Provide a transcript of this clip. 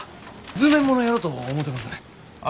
図面ものやろと思てますねん。